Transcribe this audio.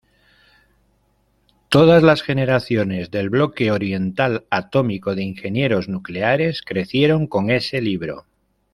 Todas las generaciones del Bloque Oriental Atómico de ingenieros nucleares crecieron con ese libro.